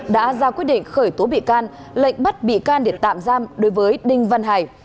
đã ra quyết định khởi tố bị can lệnh bắt bị can để tạm giam đối với đinh văn hải